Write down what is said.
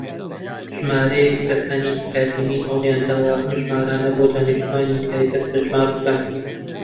ژمارەیەک کەسانی ئەکادیمی هەوڵیانداوە ئەم ژمارانە بۆ دانیشتووانی تایبەت هەژمار بکەن.